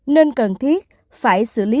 nên cần thiết phải xử lý